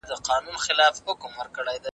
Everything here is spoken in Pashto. د ډنډ ترڅنګ د ږدن او مڼې ځای مه ړنګوه.